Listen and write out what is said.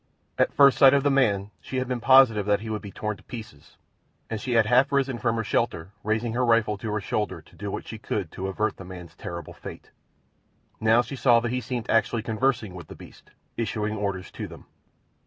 At first sight of the man she had been positive that he would be torn to pieces, and she had half risen from her shelter, raising her rifle to her shoulder to do what she could to avert the man's terrible fate. Now she saw that he seemed actually conversing with the beasts—issuing orders to them.